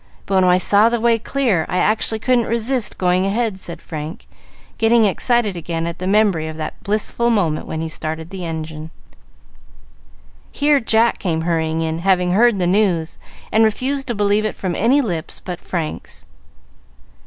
But when I saw the way clear, I actually couldn't resist going ahead," said Frank, getting excited again at the memory of that blissful moment when he started the engine. Here Jack came hurrying in, having heard the news, and refused to believe it from any lips but Frank's.